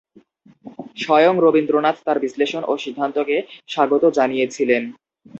স্বয়ং রবীন্দ্রনাথ তার বিশ্লেষণ ও সিদ্ধান্তকে স্বাগত জানিয়েছিলেন।